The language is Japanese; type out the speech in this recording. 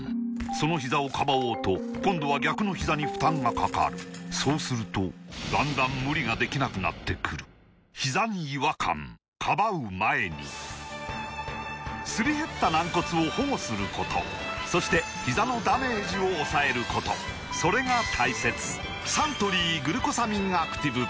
そのひざをかばおうと今度は逆のひざに負担がかかるそうするとだんだん無理ができなくなってくるすり減った軟骨を保護することそしてひざのダメージを抑えることそれが大切サントリー「グルコサミンアクティブ」